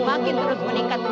makin terus meningkat